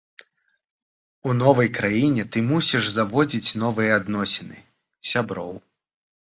У новай краіне ты мусіш заводзіць новыя адносіны, сяброў.